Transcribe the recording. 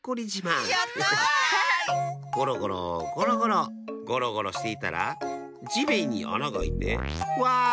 ゴロゴロゴロゴロゴロゴロしていたらじめんにあながあいてわ！